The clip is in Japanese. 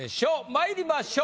まいりましょう。